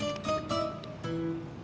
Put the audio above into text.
tidak ada yang bisa dihukum